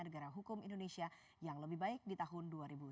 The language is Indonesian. negara hukum indonesia yang lebih baik di tahun dua ribu tujuh belas